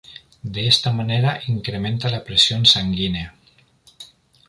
De esta manera incrementa la presión sanguínea.